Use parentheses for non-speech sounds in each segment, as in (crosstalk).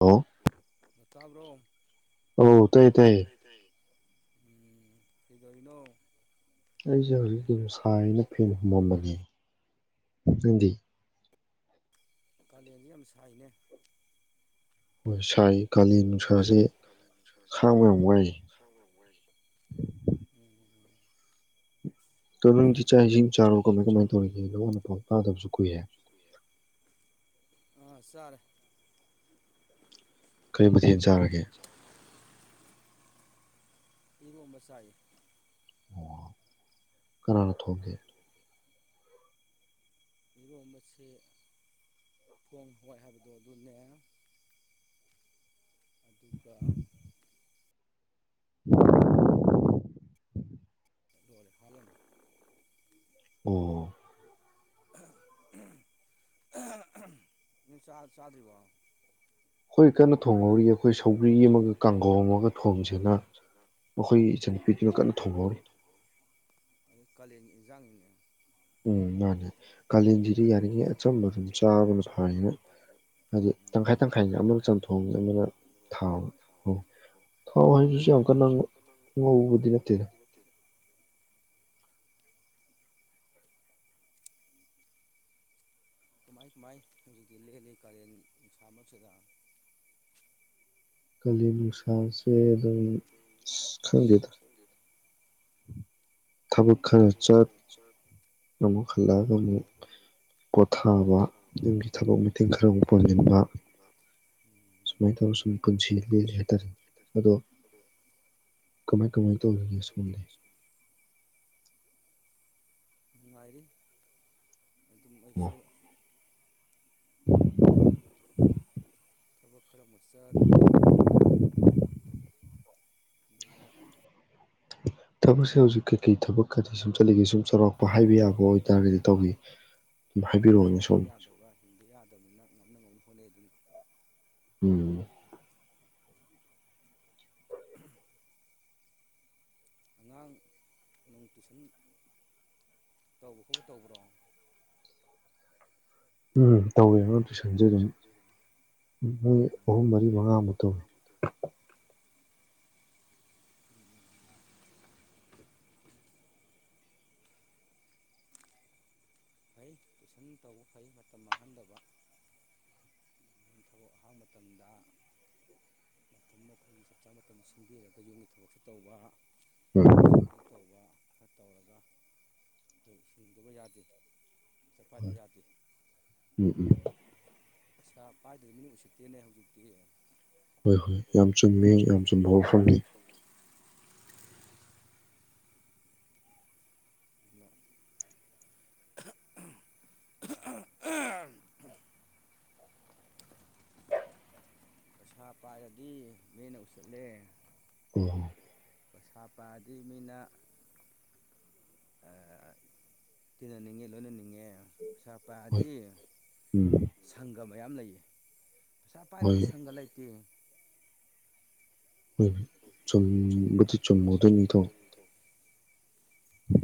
hello ꯇꯥꯕ꯭ꯔꯣ ꯇꯥꯏꯌꯦ ꯑꯧ ꯇꯥꯏꯌꯦ ꯇꯥꯏꯌ‌ꯦ ꯇꯥꯏꯌ‌ꯦ ꯎꯝ ꯀꯩꯗꯧꯔꯤꯅꫭ ꯑꯩꯁꯦ ꯍꯧꯖꯤꯛ ꯇꯤ ꯁꯨꯝ ꯁꯥꯏꯅ ꯐꯦꯟ ꯍꯨꯝꯃꯝꯕꯅꯦ ꯅꯪꯗꯤ ꯀꯥꯂ‌ꯦꯟꯖꯤ ꯌꯥꯝ ꯁꯥꯏꯅꯦ ꯍꯣꯏ ꯁꯥꯏꯌ‌ꯦ ꯀꯥꯂꯦꯟ ꯅꯨꯡꯁꯥꯁ‌ꯦ ꯈꯥꯡꯕ ꯌꯥꯝ ꯋꯥꯏ ꯈꯥꯡꯕꯥ ꯌꯥꯝ ꯎꯝ ꯑꯗꯣ ꯅꯪꯗꯤ ꯆꯥꯛ ꯏꯁꯤꯡ ꯆꯥꯔꯕꫭ ꯀꯃꯥꯏ ꯀꯃꯥꯏꯅ ꯇꯧꯔꯤꯒꯦ ꯅꯋꯥ ꯅꯄꯥꯎ ꯇꯥꯗꯕꯁꯨ ꯀꯨꯏꯔꯦ ꯑꯥ ꯆꯔꯦ ꯀꯔꯤ ꯃꯊꯦꯜ ꯆꯥꯔꯒꯦ ꯏꯔꯣꯝꯕ ꯆꯥꯏꯌ‌ꯦ ꯑꯣ ꯀꯅꯥꯅ ꯊꯣꯛꯒꯦ ꯏꯔꯣꯝꯕꯁꯤ (unintelligible) ꯍꯥꯏꯕꯗꯣ ꯑꯗꯨꯅꯦ ꯑꯗꯨꯒ (unintelligible) ꯂꯣꯏꯔꯦ ꯍꯥꯂꯟ ꯑꯣ ꯅꯣꯏ ꯆꯥ ꯆꯥꯗ꯭ꯔꯤꯕꯣ ꯑꯩꯈꯣꯏ ꯀꯟꯅ ꯊꯣꯡꯍꯧꯔꯤꯌꯦ ꯑꯩꯈꯣꯏ ꯁꯧꯒ꯭ꯔꯤ ꯑꯃꯒ ꯀꯥꯡꯒꯧ ꯑꯃꯒ ꯊꯣꯡꯖꯤꯅ ꯑꯩꯈꯣꯏ ꯏꯆꯟꯅꯨꯄꯤꯗꯨꯅ ꯀꯟꯅ ꯊꯣꯡꯍꯧꯔꯤ ꯀꯥꯂꯦꯟ ꯏꯟꯖꯥꯡꯅꯤꯅꯦ ꯎꯝ ꯃꯥꯅꯦ ꯀꯥꯂꯦꯟꯖꯤꯗꯤ ꯌꯥꯔꯤꯉꯩ ꯑꯆꯝꯕ ꯑꯗꯨꯝ ꯆꯥꯕꯅ ꯐꯔꯦꯅ ꯍꯥꯏꯗꯤ ꯎꯝ ꯇꯪꯈꯥꯏ ꯇꯪꯈꯥꯏꯅꯤ ꯑꯃꯅ ꯆꯝꯊꯣꯡ ꯑꯃꯅ ꯊꯥꯎ ꯑꯣ ꯊꯥꯎ ꯍꯥꯏꯕꯖꯤꯁꯨ ꯌꯥꯝ ꯀꯟꯅ ꯉꯧ ꯉꯧꯕꯗꯤ ꯅꯠꯇꯦꯗ ꯀꯃꯥꯏ ꯀꯃꯥꯏ ꯍꯧꯖꯤꯛꯇꯤ ꯂꯦꯜꯂꯤ ꯀꯥꯂꯦꯟ ꯅꯨꯡꯁꯥ ꯃꯔꯛꯁꯤꯗ ꯀꯥꯂꯦꯟ ꯅꯨꯡꯁꯥꯁꯦ ꯑꯗꯨꯝ ꯑꯁ ꯈꯪꯗꯦꯗ ꯊꯕꯛ ꯈꯔ ꯆꯠ ꯑꯃꯨꯛ ꯍꯜꯂꯛꯑꯒ ꯑꯃꯨꯛ ꯄꯣꯊꯥꯕ ꯌꯨꯝꯒꯤ ꯊꯕꯛ ꯃꯇꯦꯡ ꯈꯔ ꯑꯃꯨꯛ ꯄꯥꯡꯖꯤꯟꯕ ꯎꯝ ꯁꯨꯃꯥꯏ ꯇꯧꯔ ꯁꯨꯝ ꯄꯨꯟꯁꯤ ꯂꯦꯜꯂꯤ ꯍꯥꯏꯇꯥꯔꯦ ꯑꯗꯣ ꯀꯃꯥꯏ ꯀꯃꯥꯏ ꯇꯧꯔꯤꯒꯦ ꯁꯣꯝꯗꯤ ꯅꯨꯡꯉꯥꯏꯔꯤ ꯑꯗꯨꯝ ꯑꯣ ꯑꯩꯁꯨ ꯊꯕꯛ ꯈꯔ ꯑꯃꯨꯛ ꯆꯠ ꯑꯗꯨꯒ ꯊꯕꯛꯁꯦ ꯍꯧꯖꯤꯛ ꯀꯩꯀꯩ ꯊꯕꯛꯀꯗꯤ ꯁꯨꯝ ꯆꯠꯂꯤꯒꯦ ꯁꯨꯝ ꯆꯥꯎꯔꯥꯛꯄ ꯍꯥꯏꯕ ꯌꯥꯕ ꯑꯣꯏꯇꯥꯔꯒꯗꯤ ꯏꯇꯥꯎꯕꯤ ꯑꯗꯨꯝ ꯍꯥꯏꯕꯤꯔꯛꯑꯣꯅꯦ ꯁꯨꯝ (unintelligible) ꯌꯥꯗꯕꯅꯤꯅ ꯉꯝꯅ ꯉꯝꯅ ꯍꯣꯠꯅꯩ ꯑꯗꯨꯝ ꯎꯝ (unintelligible) ꯑꯉꯥꯡ ꯅꯨꯡ ꯇꯨꯏꯁꯟ ꯇꯧꯕ ꯈꯣꯠꯄ ꯇꯧꯕ꯭ꯔꯣ ꯎꯝ ꯇꯧꯋꯦ ꯑꯉꯥꯡ ꯇꯨꯏꯁꯟꯖꯨ ꯑꯗꯨꯝ ꯃꯣꯏ ꯎꯝ ꯑꯍꯨꯝ ꯃꯔꯤ ꯃꯉꯥꯃꯨꯛ ꯇꯧꯋꯤ ꯐꯩ ꯇꯨꯏꯁꯟ ꯇꯧꯕ ꯐꯩ ꯃꯇꯝ ꯃꯥꯡꯍꯟꯗꯕ ꯑꯗꯣ ꯍꯥꯡꯕ ꯃꯇꯝꯗ ꯑꯃꯨꯛ (unintelligible) ꯃꯇꯝ ꯁꯤꯟꯕꯤꯔꯒ ꯌꯨꯝꯒꯤ ꯊꯕꯛꯁꯨ ꯇꯧꯕ ꯎꯝ ꯁꯃꯥꯏꯅ ꯇꯧꯕ ꯈꯔ ꯇꯧꯔꯒ (unintelligible) ꯌꯥꯗꯦ ꯍꯣꯏ (unintelligible) ꯌꯥꯗꯦ ꯎꯝ ꯎꯝ ꯄꯩꯁꯥ ꯄꯥꯏꯗ꯭ꯔꯗꯤ ꯃꯤꯅꯥ ꯎꯁꯤꯠꯇꯦꯅꯦ ꯍꯧꯖꯤꯛꯇꯤ ꯍꯣꯏ ꯍꯣꯏ ꯌꯥꯝ ꯆꯨꯝꯃꯤ ꯌꯥꯝ ꯆꯨꯝꯕ ꯋꯥꯐꯝꯅꯤ (unintelligible) (unintelligible) ꯄꯩꯁꯥ ꯄꯥꯏꯔꯗꯤ ꯃꯤꯅ ꯎꯁꯤꯠꯂꯦ (unintelligible) ꯄꯩꯁꯥ ꯄꯥꯏꯔꯗꯤ ꯃꯤꯅ ꯑꯥ ꯇꯤꯟꯅꯅꯤꯡꯉꯤ ꯂꯣꯏꯅꯅꯤꯡꯉꯦ ꯄꯩꯁꯥ ꯍꯣꯏ ꯄꯥꯏꯔꯗꯤ ꯎꯝ ꯁꯪꯒ ꯃꯌꯥꯝ ꯂꯩꯌꯦ ꯄꯩꯁꯥ ꯍꯣꯏ ꯄꯥꯏꯗꯕ ꯁꯪꯒ ꯂꯩꯇꯦ ꯍꯣꯏꯅꯦ ꯆꯨꯝꯕꯨꯗꯤ ꯆꯨꯝꯃ‌ꯦꯗꯣ ꯏꯅ‌ꯦꯊ‌ꯣ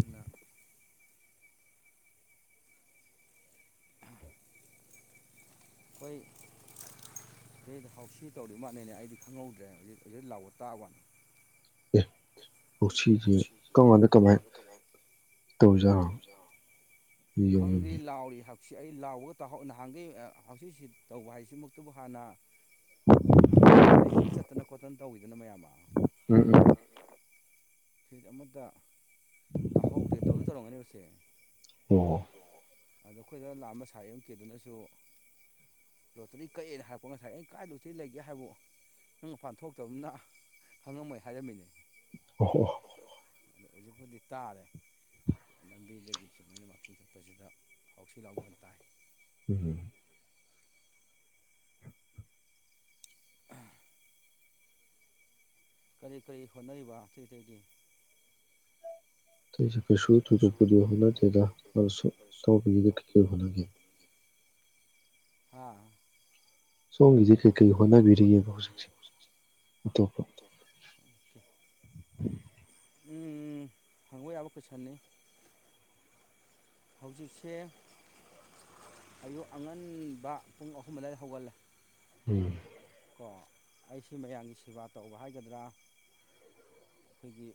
ꯑ (unintelligible) ꯑꯈꯣꯏ ꯅ‌ꯣꯏꯗꯥ ꯍꯥꯎꯁꯤ ꯇꯧꯔꯤꯃꯥꯟꯅ‌ꯦꯅꯦ ꯑꯩꯗꯤ ꯈꯪꯍꯧꯗ꯭ꯔꯦ ꯍꯧꯖꯤꯛ ꯍꯧꯖꯤꯛ ꯂꯥꯎꯕ ꯇꯥꯕꯋꯥꯟ ꯍꯥꯎꯁꯤꯁ‌ꯦ ꯀꯔꯝꯀꯥꯟꯗ ꯇꯧꯅꯤ ꯍꯥꯏ‌ ꯇꯧꯔꯤꯖꯥꯠꯅ‌ꯣ ꯈꯪꯗ꯭ꯔꯤ ꯂꯥꯎꯔꯤ ꯍꯞ ꯁꯤ ꯑꯩ ꯂꯥꯎꯕꯒ ꯇꯥꯍꯧ‌ ꯅꯍꯥꯟꯒꯩ ꯍꯥꯎꯁꯤ ꯇꯧꯕ ꯍꯥꯏꯁꯤꯃꯛꯇꯕꯨ ꯍꯥꯟꯅ ꯄꯥꯕ꯭ꯂꯤꯛꯀꯤ ꯈꯛꯇꯅ ꯈꯣꯠꯇꯟ ꯇꯧꯋꯤꯗꯅ ꯃꯌꯥꯝ ꯑꯃ ꯎꯝ ꯎꯝ (unintelligible) ꯁꯤꯠ ꯑꯃꯇ ꯇꯥꯍꯧꯗꯦ ꯇꯧꯗꯤ ꯇꯧꯔꯝꯒꯅꯦꯕꯁꯦ ꯑꯣ ꯑꯗꯣ ꯑꯩꯈꯣꯏꯗ ꯂꯥꯑꯝꯕ ꯁꯥꯏ ꯑꯃ ꯀꯤꯗꯨꯅꯁꯨ ꯂꯣꯇꯔꯤ ꯀꯛꯑꯦꯅ ꯍꯥꯏꯔꯛꯄ ꯉꯁꯥꯏ ꯑꯩꯩꯅ ꯀꯥꯏꯗ ꯂ‌ꯣꯇꯔꯤ ꯂꯩꯒꯦ ꯍꯥꯏꯕꯨ ꯅꯪ ꯃꯄꯥꯟ ꯊꯣꯛꯇꯕꯅꯤꯅ ꯈꯪꯉꯝꯃꯣꯏ ꯍꯥꯏꯔꯝꯃꯤꯅꯦ ꯑꯣꯍ‌ꯣ ꯑꯗꯨ ꯍꯧꯖꯤꯛꯄꯨꯗꯤ ꯇꯥꯔꯦ ꯂꯝꯕꯤꯗꯒꯤ ꯁꯨꯃꯥꯏꯅ ꯋꯥꯛꯀꯤꯡ ꯆꯠꯄꯁꯤꯗ ꯍꯥꯎꯁꯤ ꯂꯥꯎ ꯃꯈ‌ꯣꯟ ꯇꯥꯏ ꯎꯍꯨꯝ ꯑ (unintelligible) ꯀꯔꯤ ꯀꯔꯤ ꯍꯣꯠꯅꯔꯤꯕ ꯑꯇꯩ ꯑꯇꯩꯒꯤ ꯑꯇꯩꯁꯨ ꯀꯩꯁꯨ ꯊꯣꯏꯗꯣꯛꯄꯗꯤ ꯍꯣꯠꯅꯗꯦꯗꯁꯨ ꯇꯧꯕꯒꯤꯗ ꯀꯩꯀꯩ ꯍꯣꯠꯅꯒꯦ ꯊꯥ ꯁꯣꯝꯒꯤꯗꯤ ꯀꯩꯀꯩ ꯍꯣꯠꯅꯕꯤꯔꯤꯒꯦꯕ ꯍꯧꯖꯤꯛꯁꯦ ꯑꯇꯣꯞꯄ ꯎꯝ (inaudible) ꯎꯝ ꯎꯝ ꯍꯪꯕ ꯌꯥꯕ ꯀꯣꯏꯁꯟꯅꯤ ꯍꯧꯖꯤꯛꯁꯦ ꯑꯌꯨꯛ ꯑꯉꯟꯕ ꯄꯨꯡ ꯑꯍꯨꯝ ꯑꯗꯨꯋꯥꯏꯗ ꯍꯧꯒꯠꯂꯦ ꯎꯝ ꯀꯣ ꯑꯩꯁꯤ ꯃꯌꯥꯝꯒꯤ ꯁꯦꯕꯥ ꯇꯧꯕ ꯍꯥꯏꯒꯗ꯭ꯔꯥ ꯑꯩꯈꯣꯏꯒꯤ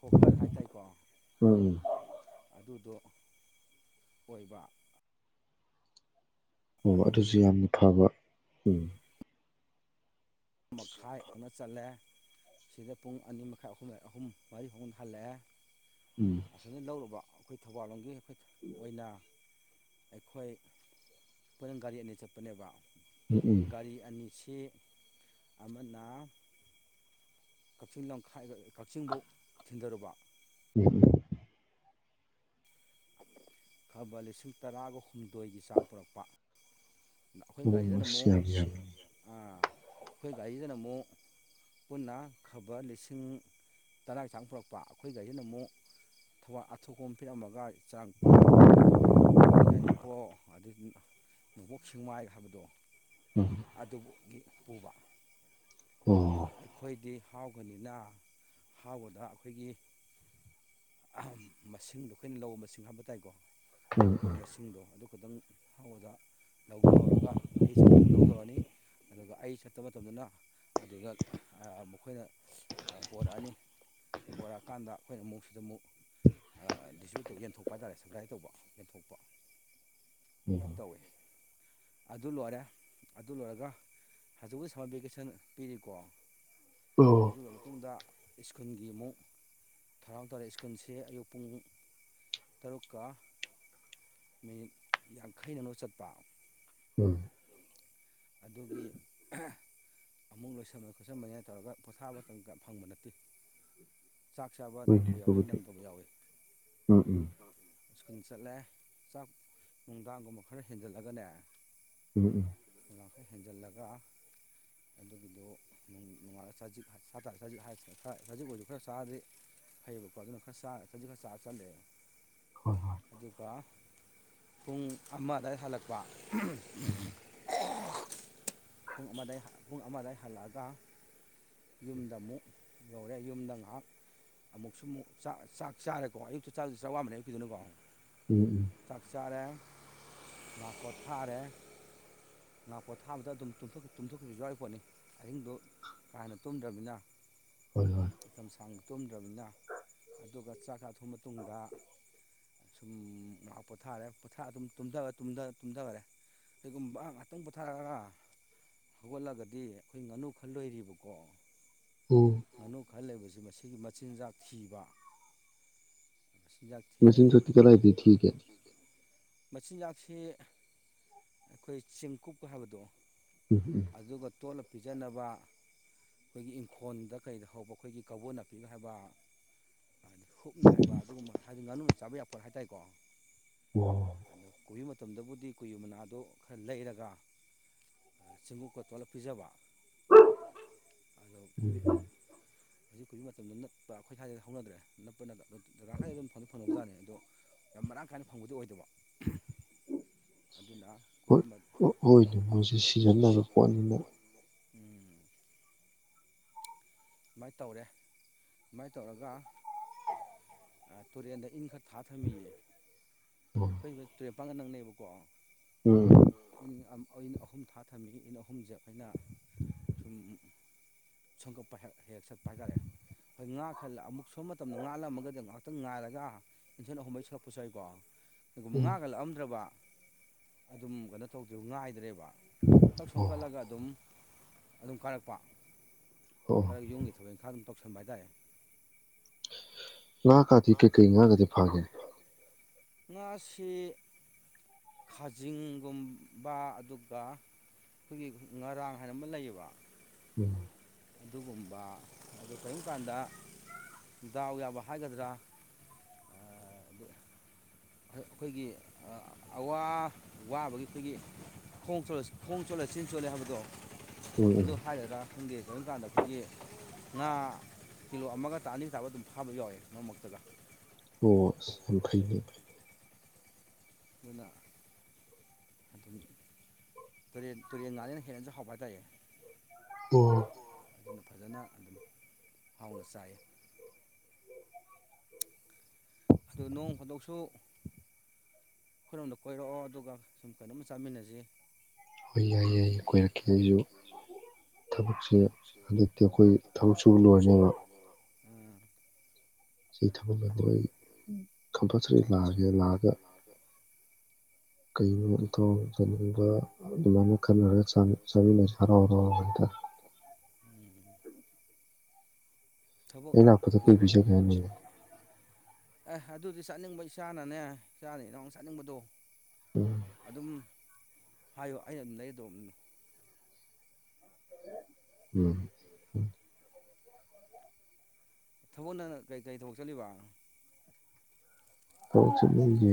ꯍꯣꯀꯔ ꯍꯥꯏ ꯇꯥꯔꯦꯀꯣ ꯎꯝ ꯎꯝ ꯑꯗꯨꯗꯣ ꯀꯩꯕ ꯎꯝ ꯑꯗꯨꯁꯨ ꯑꯗꯨꯒꯤ ꯌꯥꯝꯅ ꯐꯕ ꯎꯝ ꯃꯈꯥꯏ ꯑꯃ ꯆꯠꯂꯦ ꯁꯤꯗ ꯄꯨꯡ ꯑꯅꯤ ꯃꯈꯥꯏ ꯑꯍꯨꯝ ꯑꯍꯨꯝ ꯃꯔꯤ ꯐꯥꯎꯅ ꯍꯜꯂꯛꯑꯦ ꯎꯝ ꯑꯊꯟꯗ ꯂꯧꯔꯨꯕ ꯑꯩꯈꯣꯏ ꯊꯧꯕꯥꯜ ꯂꯣꯝꯒꯤ ꯑꯩꯈꯣꯏ ꯑꯣꯏꯅ ꯑꯩꯈꯣꯏ ꯄꯨꯟꯅ ꯒꯥꯔꯤ ꯑꯅꯤ ꯆꯠꯄꯅꯦꯕ ꯎꯝ ꯎꯝ ꯒꯥꯔꯤ ꯑꯅꯤꯁꯤ ꯑꯃꯅ ꯀꯛꯆꯤꯡ ꯂꯝꯈꯥꯏ ꯀꯛꯆꯤꯡꯐꯧ ꯊꯤꯟꯊꯔꯨꯕ ꯎꯝ ꯈꯕꯔ ꯂꯤꯁꯤꯡ ꯇꯔꯥꯒ ꯍꯨꯝꯗꯣꯏꯒꯤ ꯆꯥꯡ ꯄꯨꯔꯛꯄ ꯑꯩꯈꯣꯏ ꯎꯝ ꯒꯥꯔꯤꯗꯅ ꯑꯁ ꯑꯃꯨꯛ ꯌꯥꯝ ꯌꯥꯝꯃꯤꯅꯦ ꯑꯩꯈꯣꯏ ꯒꯥꯔꯤꯗꯅ ꯑꯃꯨꯛ ꯄꯨꯟꯅ ꯈꯕꯔ ꯂꯤꯁꯤꯡ ꯇꯔꯥꯒꯤ ꯆꯥꯡ ꯄꯨꯔꯛꯄ ꯑꯩꯈꯣꯏ ꯒꯥꯔꯤꯁꯤꯅ ꯑꯃꯨꯛ ꯊꯧꯕꯥꯜ ꯑꯊꯣꯛꯄꯝ ꯄꯤꯔꯝꯃꯒ ꯆꯔꯥꯡꯄꯥꯥꯠ ꯑꯗꯒꯤ ꯌꯥꯏꯔꯤꯄꯣꯛ ꯑꯗꯒꯤ ꯅꯣꯡꯄꯣꯛ ꯁꯦꯛꯃꯥꯏ ꯍꯥꯏꯕꯗꯣ ꯎꯝ ꯑꯗꯨꯕꯨꯒꯤ ꯄꯨꯕ ꯑꯗ ꯑꯣ ꯑꯩ ꯑꯩꯈꯣꯏꯗꯤ ꯍꯥꯎꯒꯅꯤꯅ ꯍꯥꯎꯒꯗ ꯑꯩꯈꯣꯏꯒꯤ ꯃꯁꯤꯡꯗꯣ ꯑꯩꯈꯣꯏꯅ ꯂꯧꯕ ꯃꯁꯤꯡ ꯍꯥꯏꯕ ꯇꯥꯏꯀꯣ ꯎꯝ ꯎꯝ ꯊꯣꯡꯕꯁꯤꯡꯗꯣ ꯑꯗꯨ ꯈꯛꯇꯪ ꯍꯥꯎꯒꯗ ꯂꯧꯊꯍꯧꯔꯒ ꯑꯩ ꯆꯠꯄ ꯃꯇꯝ ꯂꯧꯊꯣꯔꯛꯑꯅꯤ ꯑꯗꯨꯒ ꯑꯩ ꯆꯠꯇꯄ ꯃꯇꯝꯗꯅ ꯑꯗꯨꯗ ꯃꯈꯣꯏꯅ ꯄꯣꯔꯛꯑꯅꯤ ꯄꯨꯔꯛ ꯑꯀꯥꯟꯗ ꯑꯩꯈꯣꯏꯅ ꯑꯃꯨꯛ ꯁꯤꯗ ꯑꯃꯨꯛ ꯗꯤꯁꯇꯔꯤꯕ꯭ꯌꯨꯠ ꯇꯧ ꯌꯦꯟꯊꯣꯛꯄ ꯍꯥꯏ ꯇꯥꯥꯔꯦ ꯁꯄ꯭ꯂꯥꯏ ꯇꯧꯕ ꯌꯦꯟꯊꯣꯛꯄ ꯎꯝ ꯁꯨꯃꯥꯏꯅ ꯇꯧꯋꯦ ꯑꯗꯨ ꯂꯣꯏꯔꯦ ꯑꯗꯨ ꯂꯣꯏꯔꯒ ꯍꯧꯖꯤꯛꯀꯤ ꯁꯝꯃꯔ ꯚꯦꯀꯦꯁꯟ ꯄꯤꯔꯤꯀꯣ ꯑꯣ ꯑꯗꯨꯒꯤ ꯃꯇꯨꯡꯗ ꯁ꯭ꯀꯨꯜꯒꯤ ꯑꯃꯨꯛ ꯊꯧꯔꯥꯡ ꯇꯧꯔꯦ ꯁ꯭ꯀꯨꯜꯁꯦ ꯑꯌꯨꯛ ꯄꯨꯡ ꯇꯔꯨꯛꯀ ꯃꯤꯅꯤꯠ ꯌꯥꯡꯈꯩ ꯅꯪꯅꯕ ꯆꯠꯄ ꯎꯝ ꯑꯗꯨꯒꯤ ꯑꯃꯨꯛ ꯂꯣꯏꯁꯟꯕ ꯈꯣꯠꯁꯟꯕꯅꯦ ꯇꯧꯔꯒ ꯄꯣꯠꯊꯥꯕ ꯃꯇꯝꯒ ꯐꯪꯕ ꯅꯠꯇꯦ ꯆꯥꯛ ꯆꯥꯕ ꯍꯣꯏꯅꯦ ꯅꯪꯕ ꯌꯥꯎꯋꯤ ꯑꯗꯨꯕꯨꯗꯤ ꯅꯪꯗꯕ ꯌꯥꯎꯋꯤ ꯎꯝ ꯎꯝ ꯁ꯭ꯀꯨꯜ ꯆꯠꯂꯦ ꯆꯥꯛ ꯅꯨꯡꯗꯥꯡꯒꯨꯝꯕ ꯈꯔ ꯍꯦꯟꯖꯜꯂꯒꯅꯦ ꯎꯝ ꯎꯝ ꯅꯨꯡꯗꯥꯡ ꯈꯔ ꯍꯦꯟꯖꯜꯂꯒ ꯑꯗꯨꯒꯤꯗꯣ ꯅꯣꯡ ꯉꯥꯜꯂꯒ ꯆꯖꯤꯛ ꯆꯖꯤꯛ ꯍꯥꯏ ꯆꯖꯤꯛ ꯑꯣꯏꯁꯨ ꯈꯔ ꯆꯔꯗꯤ ꯐꯩꯌꯦꯕꯀꯣ ꯑꯗꯨꯅ ꯈꯔ ꯆꯥꯔ ꯆꯖꯤꯛ ꯈꯔ ꯆꯥꯔ ꯆꯠꯂꯦꯕ ꯍꯣꯏ ꯑꯗꯨꯒ ꯄꯨꯡ ꯑꯃ ꯑꯗꯋꯥꯏ ꯍꯜꯂꯛꯄ ꯍꯣꯏ (unintelligible) ꯄꯨꯡ ꯑꯃꯗꯒꯤ ꯄꯨꯡ ꯑꯃꯗꯒꯤ ꯍꯜꯂꯛꯑꯒ ꯌꯨꯝꯗ ꯑꯃꯨꯛ ꯌꯧꯔꯦ ꯌꯨꯝꯗ ꯉꯥꯏꯍꯥꯛ ꯑꯃꯨꯛꯁꯨ ꯑꯃꯨꯛ ꯆꯥꯛ ꯆꯥꯛ ꯆꯥꯔꯦꯀꯣ ꯑꯌꯨꯛꯇ ꯆꯥꯛ ꯆꯥꯔꯤꯗꯨꯅ ꯆꯥꯔꯥ ꯋꯥꯟꯕꯅꯤꯀꯣ ꯑꯌꯨꯀꯤꯗꯨꯅꯀꯣ ꯎꯝ ꯎꯝ ꯆꯥꯛ ꯆꯥꯔꯦ ꯉꯥꯏꯍꯥꯛ ꯄꯣꯠꯊꯥꯔꯦ ꯉꯥꯏꯍꯥꯛ ꯄꯣꯠꯊꯥꯕꯗ ꯑꯗꯨꯝ ꯇꯨꯝꯊꯣꯛꯈꯤꯕꯁꯨ ꯌꯥꯎꯔꯤ ꯄꯣꯠꯅꯤ ꯑꯍꯤꯡꯗꯨ ꯀꯥ ꯍꯦꯟꯅ ꯇꯨꯝꯗ꯭ꯔꯕꯅꯤꯅ ꯍꯣꯏ ꯍꯣꯏ ꯃꯇꯝ ꯁꯥꯡ ꯇꯨꯝꯗ꯭ꯔꯕꯅꯤꯅ ꯑꯗꯨꯒ ꯆꯥꯛ ꯆꯊꯣꯛꯑ ꯃꯇꯨꯡꯗ ꯁꯨꯝ ꯉꯥꯏꯍꯥꯛ ꯄꯣꯊꯥꯔꯦ ꯄꯣꯊꯥ ꯑꯗꯨꯝ ꯇꯨꯝꯊꯈꯔꯦ ꯀꯩꯒꯨꯝꯕ ꯉꯥꯛꯇꯪ ꯄꯨꯊꯥꯔꯒ ꯍꯧꯒꯠꯂꯒꯗꯤ ꯑꯩꯈꯣꯏ ꯉꯥꯅꯨ ꯈꯔ ꯂꯣꯏꯔꯤꯕꯀꯣ ꯎꯝ ꯉꯥꯅꯨ ꯈꯔ ꯂꯩꯕꯁꯤ ꯃꯁꯤꯒꯤ ꯃꯆꯤꯟꯖꯥꯛ ꯊꯤꯕ ꯑꯌꯥꯛꯀꯤ ꯑꯅꯤ ꯃꯆꯤꯟꯖꯣꯛꯇꯤ ꯀꯗꯥꯏꯗꯒꯤ ꯊꯤꯒꯦ ꯑꯩꯈꯣꯏ ꯃꯆꯤꯟꯖꯥꯛꯁꯤ ꯑꯩꯈꯣꯏ ꯆꯦꯡ ꯀꯨꯞ ꯍꯥꯏꯕꯗꯣ ꯎꯝ ꯎꯝ ꯑꯗꯨꯒ ꯇꯣꯠꯂ ꯄꯤꯖꯅꯕ ꯑꯩꯈꯣꯏꯒꯤ ꯏꯪꯈꯣ ꯏꯈꯣꯟꯗ ꯀꯩꯗ ꯍꯧꯕ ꯑꯩꯈꯣꯏꯒꯤ ꯀꯧꯕꯣ ꯅꯥꯄꯤꯒ ꯍꯥꯏꯕ ꯍꯨꯞꯅ ꯍꯥꯏꯕ ꯑꯗꯨꯒꯨꯝꯕ ꯍꯥꯏꯗꯤ ꯉꯥꯅꯨꯅ ꯆꯥꯕ ꯌꯥꯕ ꯄꯣꯠ ꯍꯥꯏꯇꯥꯔꯦꯀꯣ ꯑꯣ ꯀꯣꯏꯕꯤ ꯃꯇꯝꯗꯕꯨꯗꯤ ꯀꯣꯕꯤ ꯃꯅꯥꯗꯣ ꯈꯔ ꯂꯩꯔꯒ ꯆꯦꯡ ꯗꯔ ꯇꯣꯠꯂ ꯄꯤꯖꯥꯕ ꯑꯗꯣ ꯀꯕꯤ ꯎꯝ ꯍꯧꯖꯤꯛ ꯀꯨꯢꯔ ꯃꯇꯝꯗ ꯅꯠꯄ ꯑꯩꯈꯣꯏ ꯊꯥꯏꯅꯗ ꯍꯧꯅꯗ꯭ꯔꯦ ꯅꯠꯄ ꯅꯠꯇ ꯑ ꯗꯔꯀꯔ ꯈꯔ ꯑꯗꯨꯝ ꯐꯪ ꯐꯪꯅꯕꯖꯥꯠꯅꯤ ꯑꯗꯣ ꯌꯥꯝ ꯃꯔꯥꯡ ꯀꯥꯏꯅ ꯐꯪꯕꯗꯤ ꯑꯣꯏꯗꯕ ꯑꯗꯨꯅ ꯀꯣꯕꯤ ꯍꯣꯏ ꯍꯣꯏꯅꯦ ꯃꯅꯥ ꯃꯣꯏꯁꯦ ꯁꯤꯖꯤꯟ ꯅꯥꯏꯕ ꯄꯣꯠꯅꯤꯅ ꯎꯝ ꯁꯨꯃꯥꯏꯟ ꯇꯧꯔꯦ ꯁꯨꯃꯥꯏꯟ ꯇꯧꯔꯒ ꯑꯥ ꯇꯨꯔꯦꯟꯗ ꯏꯟ ꯈꯔ ꯊꯥ ꯊꯝꯃꯤꯌꯦ ꯎꯝ ꯑꯈꯣꯏꯕꯩ ꯇꯨꯔꯦꯟ ꯄꯥꯡꯒ ꯅꯛꯅꯩꯕꯀꯣ ꯎꯝ (unintelligible) ꯑꯩꯅ ꯑꯍꯨꯝ ꯊꯥ ꯊꯝꯃꯤ ꯏꯟ ꯑꯍꯨꯝꯖꯦ ꯑꯩꯈꯣꯏꯅ ꯁꯨꯝ ꯁꯝ ꯀꯛꯄ ꯍꯦꯛ ꯍꯦꯛ ꯆꯠꯄ ꯍꯥꯏꯇꯥꯔꯦ ꯑꯩꯈꯣꯏ ꯉꯥ ꯈꯔ ꯂꯛ ꯑꯃꯨꯛ ꯁꯨꯝ ꯃꯇꯝꯗꯣ ꯉꯥꯜꯂꯝꯃꯒꯗ ꯉꯥꯏꯍꯥꯛꯇꯪ ꯉꯥꯏꯔꯒ ꯏꯊꯟ ꯑꯍꯨꯝ ꯃꯔꯤ ꯆꯤꯡꯉꯛꯄꯁꯨ ꯌꯥꯎꯋꯤꯀꯣ ꯀꯩꯒꯨꯝꯕ ꯎꯝ ꯉꯥꯒ ꯂꯛꯑꯝꯗ꯭ꯔꯥꯕ ꯑꯗꯨꯝ ꯀꯩꯅꯣ ꯇꯧꯗꯦ ꯉꯥꯏꯗ꯭ꯔꯦꯕ ꯊꯛ ꯑꯣ ꯁꯣꯟꯀꯠꯂꯒ ꯑꯗꯨꯝ ꯑꯗꯨꯝ ꯀꯥꯔꯛꯄ ꯑꯣ ꯈꯔ ꯌꯨꯝꯒꯤ ꯊꯕꯛ ꯏꯪꯈꯥꯡ ꯑꯗꯨꯝ ꯇꯧꯁꯟꯕ ꯍꯥꯏꯇꯥꯔꯦ ꯉꯥ ꯀꯥꯗꯤ ꯀꯩꯀꯩ ꯉꯥ ꯒꯥꯗꯤ ꯐꯥꯒꯦ ꯉꯥ ꯁꯤ ꯈꯥ ꯖꯤꯡꯒꯨꯝꯕ ꯑꯗꯨꯒ ꯑꯩꯈꯣꯏꯒꯤ ꯉꯔꯥꯡ ꯍꯥꯏꯅ ꯑꯃ ꯂꯩꯌꯦꯕ (inaudible) ꯑꯗꯨꯒꯨꯝꯕ ꯑꯗꯨ ꯀꯔꯤꯝ ꯀꯥꯟꯗ ꯗꯥꯎ ꯌꯥꯕ ꯍꯥꯏꯒꯗ꯭ꯔꯥ ꯑꯥ ꯗꯨ ꯑꯈꯣꯏꯒꯤ ꯑꯋꯥ ꯋꯥꯕꯒꯤ ꯑꯩꯈꯣꯏꯒꯤ ꯈꯣꯡ ꯆꯣꯠꯂ ꯈꯣꯡ ꯆꯣꯠꯂ ꯆꯤꯟ ꯆꯣꯠꯂꯦ ꯍꯥꯏꯕꯗꯣ ꯎꯝ ꯑꯗꯨ ꯎꯝ ꯍꯥꯏꯒꯗ꯭ꯔꯥ ꯈꯪꯗꯦ ꯀꯔꯤꯝ ꯀꯥꯟꯗ ꯑꯩꯈꯣꯏꯒꯤ ꯉꯥ ꯀꯤꯂꯣ ꯑꯃꯒ ꯇꯥ ꯑꯅꯤ ꯇꯥꯕ ꯑꯗꯨꯝ ꯐꯥꯕꯖꯨ ꯌꯥꯎꯋꯦ ꯃꯔꯛ ꯃꯔꯛꯇꯥꯒ ꯑꯣ ꯑꯁ ꯌꯥꯝ ꯐꯩꯅꯦ ꯗꯨꯅ ꯑꯗꯨꯝ ꯇꯨꯔꯦꯟ ꯇꯨꯔꯦꯟ ꯉꯥꯖꯤꯅ ꯍꯦꯟꯅꯖꯨ ꯍꯥꯎꯕ ꯍꯥꯏꯇꯥꯔꯦ ꯑꯣ ꯑꯗꯨꯅ ꯐꯖꯅ ꯑꯗꯨꯝ ꯍꯥꯎꯅ ꯆꯥꯏ ꯑꯗꯨ ꯅꯣꯡ ꯐꯥꯗꯣꯛꯁꯨ ꯑꯩꯈꯣꯏꯔꯣꯝꯗ ꯀꯣꯏꯔꯛꯑꯣ ꯑꯗꯨꯒ ꯁꯨꯝ ꯀꯩꯅꯣꯝꯃ ꯆꯥꯃꯤꯟꯅꯖꯤ ꯍꯣꯏ ꯌꯥꯏ ꯌꯥꯏ ꯀꯣꯏꯔꯛꯀꯦ ꯑꯩꯖꯨ ꯊꯕꯛꯁꯦ ꯍꯧꯖꯤꯛꯇꯤ ꯑꯈꯣꯏ ꯊꯕꯛ ꯁꯨꯕ ꯂꯣꯏꯔꯅꯤꯕ ꯎꯝ ꯁꯤ ꯊꯕꯛ ꯂꯣꯏꯕꯒ ꯑꯩ ꯀꯝꯄꯜꯁꯔꯤ ꯂꯥꯛꯑꯒꯦ ꯂꯥꯛꯑꯒ ꯀꯩꯩꯅꯣ ꯏꯇꯥꯎꯅ ꯆꯅꯤꯡꯕ ꯑꯗꯨꯃꯥꯏꯅ ꯈꯟꯅꯔꯒ ꯆꯥꯃꯤꯟ ꯆꯥꯃꯤꯟꯅꯁꯦ ꯍꯔꯥꯎ ꯍꯔꯥꯎ ꯍꯥꯏꯇꯥ ꯎꯝ ꯊꯕꯛ ꯑꯩ ꯂꯥꯛꯄꯗ ꯀꯩ ꯂꯣꯏꯕꯥ ꯄꯤꯖꯒꯦ ꯍꯥꯏꯅꯣꯅꯦ (unintelligible) ꯑꯦ ꯑꯗꯨꯗꯤ ꯆꯠꯅꯤꯡꯕ ꯏꯆꯥꯅꯅꯦ ꯏꯆꯥꯅ ꯏꯅꯥꯎꯅ ꯆꯠꯅꯤꯡꯕꯗꯣ ꯎꯝ ꯑꯗꯨꯝ ꯍꯥꯏꯌꯣ ꯑꯩꯅ ꯑꯗꯨꯝ ꯂꯩꯔꯗꯧꯝꯅꯤ ꯎꯝ ꯊꯕꯛ ꯅꯪ ꯀꯔꯤ ꯀꯔꯤ ꯊꯕꯛ ꯆꯠꯂꯤꯕ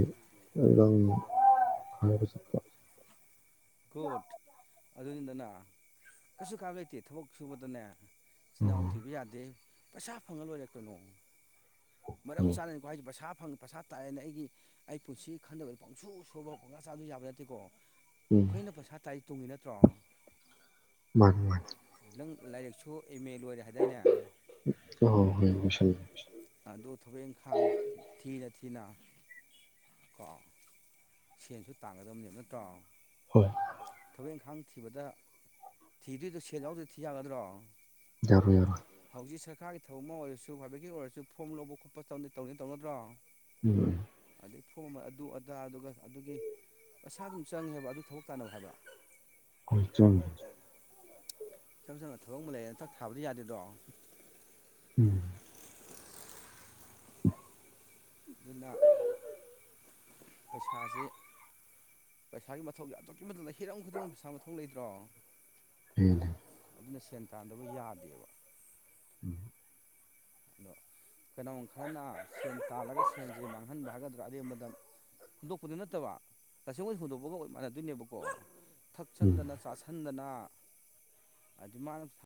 (unintelligible) ꯔꯪ ꯍꯥꯏꯕ ꯆꯠꯄ ꯀꯨꯠ ꯑꯗꯨꯅꯤꯗꯅ ꯀꯩꯁꯨ ꯀꯥꯏꯕ ꯂꯩꯇꯦ ꯊꯕꯛ ꯁꯨꯕꯗꯅꯦ ꯆꯤꯟꯅꯥꯎ ꯎꯝ ꯊꯤꯕ ꯌꯥꯗꯦ ꯄꯩꯁꯥ ꯐꯪꯉ ꯂꯣꯏꯔꯦ ꯀꯩꯅꯣ ꯃꯔꯝ ꯍꯣꯏ ꯆꯥꯅꯅꯤꯀꯣ ꯍꯥꯏꯖꯦ ꯄꯩꯁꯥ ꯐꯪ ꯄꯩꯁꯥ ꯇꯥꯛꯑꯦꯅ ꯑꯩꯒꯤ ꯑꯩ ꯄꯨꯟꯁꯤ ꯈꯟꯗꯕ ꯄꯪꯁꯨ ꯁꯨꯕ ꯄꯪꯁꯥ ꯆꯥꯕꯗꯣ ꯌꯥꯕ ꯅꯠꯇꯦꯀꯣ ꯎꯝ ꯑꯩꯈꯣꯏꯅ ꯄꯩꯁꯥ ꯇꯥꯔꯤ ꯇꯨꯡꯉꯤ ꯅꯠꯇ꯭ꯔꯣ ꯃꯥꯅꯤ ꯃꯥꯅꯤ ꯅꯪ ꯂꯥꯏꯔꯤꯛꯁꯨ ꯑꯦꯝ ꯑꯦ ꯂꯣꯏꯔꯦ ꯍꯥꯏꯗꯥꯏꯅꯦ ꯑ ꯍꯣꯏ ꯂꯣꯏꯁꯤꯜꯂꯦ ꯑꯗꯨ ꯊꯕꯛ ꯏꯪꯈꯥꯡ ꯊꯤꯅ ꯊꯤꯅ ꯀꯣ ꯁꯦꯟꯁꯨ ꯇꯥꯡꯒꯗꯕꯅꯦꯕ ꯅꯠꯇ꯭ꯔꯣ ꯍꯣꯏ ꯊꯕꯛ ꯏꯪꯈꯥꯡ ꯊꯤꯕꯗ ꯊꯤꯗꯣꯏꯗꯣ ꯁꯦꯟ ꯌꯥꯎꯗꯔꯥꯗꯤ ꯊꯤ ꯌꯥꯒꯗ꯭ꯔꯣ ꯌꯥꯔꯣꯏ ꯌꯥꯔꯣꯏ ꯍꯧꯖꯤꯛ ꯁꯔꯀꯥꯔꯒꯤ ꯊꯕꯛ ꯑꯃ ꯑꯣꯏꯔꯁꯨ ꯄ꯭ꯔꯥꯏꯚꯦꯠꯀꯤ ꯑꯣꯏꯔꯁꯨ ꯐꯣꯝ ꯂꯧꯕ ꯈꯣꯠꯄ ꯇꯗꯤ ꯇꯧꯅꯤ ꯇꯧꯅꯗ꯭ꯔꯣ ꯎꯝ ꯑꯗꯩ ꯐꯣꯝ ꯑꯃ ꯑꯗꯨ ꯑꯗꯥ ꯑꯗꯨꯒ ꯑꯗꯨꯒꯤ ꯄꯩꯁꯥ ꯑꯗꯨꯝ ꯆꯪꯉꯦꯕ ꯑꯗꯨ ꯊꯕꯛ ꯇꯥꯅꯧ ꯍꯥꯏꯕ (unintelligible) ꯏꯁꯝ ꯁꯝꯅ ꯊꯕꯛ ꯑꯃ ꯂꯩꯌꯦꯅ ꯊꯛ ꯊꯥꯕꯗꯤ ꯌꯥꯗꯦꯗꯣ ꯎꯝ ꯑꯗꯨꯅ ꯄꯩꯁꯥꯁꯦ ꯄꯩꯁꯥꯒꯤ ꯃꯊꯧꯁꯦ ꯑꯗꯨꯛꯀꯤ ꯃꯇꯤꯛ ꯍꯤꯔꯝ ꯈꯨꯗꯤꯡꯒꯤ ꯄꯩꯁꯥ ꯃꯊꯧ ꯂꯩꯇ꯭ꯔꯣ ꯎꯝ ꯑꯗꯨꯅ ꯁꯦꯟ ꯇꯥꯟꯗꯕ ꯌꯥꯗꯦꯕ ꯎꯝ ꯑꯗꯣ ꯀꯩꯅꯥ ꯒꯨꯝꯕ ꯈꯔꯅ ꯁꯦꯟ ꯇꯥꯜꯂꯒ ꯁꯦꯟꯁꯦ ꯃꯥꯡꯍꯟꯕ ꯍꯥꯏꯒꯗ꯭ꯔꯥ ꯑꯔꯦꯝꯕꯗ ꯍꯨꯟꯗꯣꯛꯄꯗꯨ ꯅꯠꯇꯕ ꯇꯁꯦꯡ ꯍꯣꯏ ꯍꯨꯟꯗꯣꯛꯄꯒ ꯃꯥꯟꯅꯗꯣꯏꯅꯦꯕꯀꯣ ꯎꯝ ꯊꯛꯆꯟꯗꯅ ꯆꯥꯥꯁꯟꯗꯅ ꯑꯗꯨꯃꯥꯏ